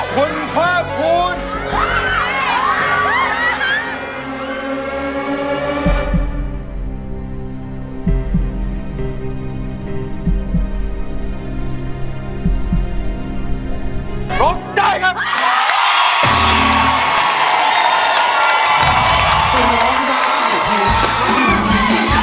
คุณเพิ่มภูมิ